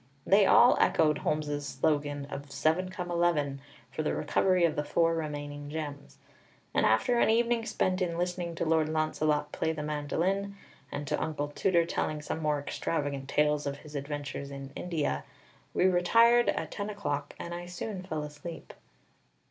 They all echoed Holmes's slogan of: "Seven, come eleven!" for the recovery of the four remaining gems; and after an evening spent in listening to Lord Launcelot play the mandolin, and to Uncle Tooter telling some more extravagant tales of his adventures in India, we retired at ten o'clock, and I soon fell asleep.